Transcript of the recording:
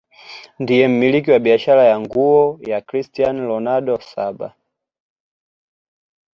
ndiye mmiliki wa biashara ya nguo ya cristian ronald saba